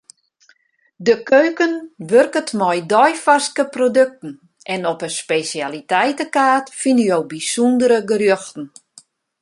De keuken wurket mei deifarske produkten en op 'e spesjaliteitekaart fine jo bysûndere gerjochten.